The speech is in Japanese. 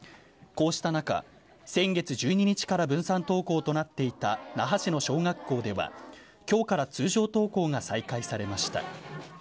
こうした中、先月１２日から分散登校となっていた那覇市の小学校では、きょうから通常登校が再開されました。